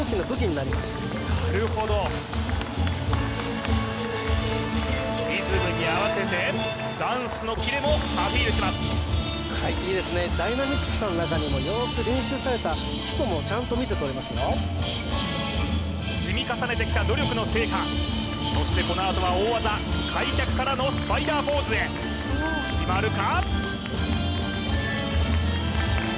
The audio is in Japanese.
なるほどリズムに合わせてダンスのキレもアピールしますいいですねダイナミックさの中にもよーく練習された基礎もちゃんと見て取れますよ積み重ねてきた努力の成果そしてこのあとは大技開脚からのスパイダーポーズへ決まるか！？